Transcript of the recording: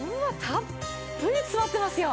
たっぷり詰まってますよ。